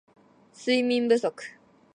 睡眠不足